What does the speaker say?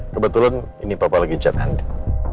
kebetulan ini papa lagi chat anda